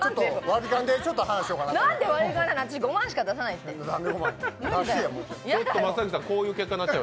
私５万しか出さないって。